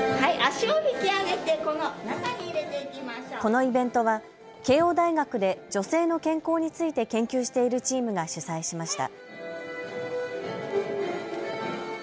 このイベントは慶応大学で女性の健康について研究しているチームが主催しました。